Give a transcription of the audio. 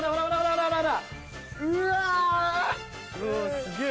すげえ。